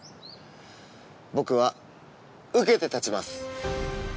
僕は受けて立ちます。